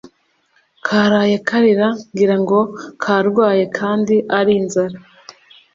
Karaye karira ngirango karwaye kandi ari inzara